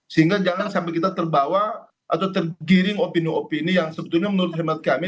sehingga jangan sampai kita terbawa atau tergiring opini opini yang sebetulnya menurut hemat kami